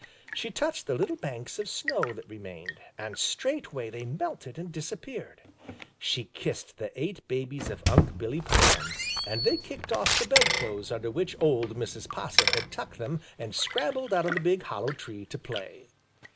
She touched the little banks of snow that remained, and straightway they melted and disappeared. She kissed the eight babies of Unc' Billy Possum, and they kicked off the bedclothes under which old Mrs. Possum had tucked them and scrambled out of the big hollow tree to play.